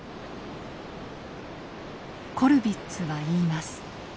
コルヴィッツは言います。